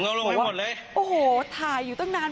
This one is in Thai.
เพราะว่าโอ้โหถ่ายอยู่ตั้งนาน